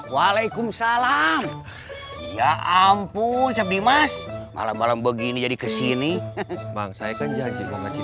waalaikumsalam ya ampun sabdi mas malam malam begini jadi kesini bangsa akan janji mengasihi